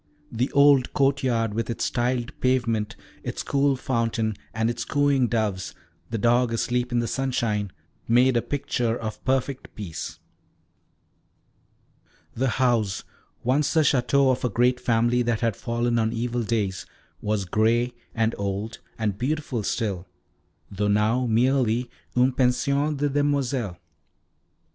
The old courtyard, with its tiled pavement, its cool fountain, and its cooing doves, the dog asleep in the sunshine, made a picture of perfect peace. The house, once the Château of a great family that had fallen on evil days, was grey and old, and beautiful still, though now merely une pension de demoiselles.